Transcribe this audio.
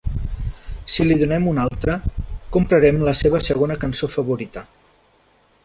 Si li donem un altre, comprarem la seva segona cançó favorita.